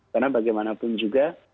karena bagaimanapun juga